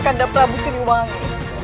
kandah prabu siniwangi